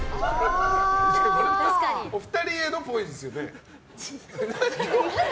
お二人へのイメージですよね。